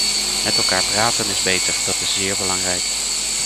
Met elkaar praten is beter, dat is zeer belangrijk.